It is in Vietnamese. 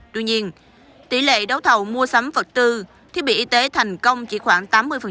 tuy nhiên tỷ lệ đấu thầu mua sắm vật tư thiết bị y tế thành công chỉ khoảng tám mươi